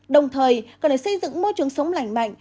đồng thời cần phải xây dựng môi trường sống lành mạnh